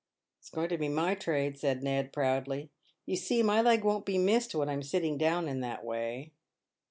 "It's going to be my trade," said Ned, proudly; "you see my leg won't be missed when I'm sitting down in that way."